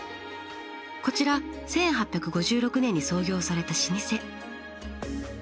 こちら１８５６年に創業された老舗。